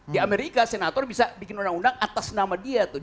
di amerika senator bisa bikin undang undang atas nama dia tuh